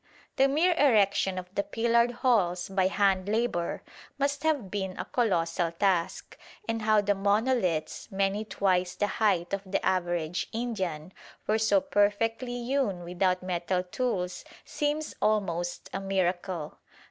The mere erection of the pillared halls by hand labour must have been a colossal task, and how the monoliths, many twice the height of the average Indian, were so perfectly hewn without metal tools seems almost a miracle.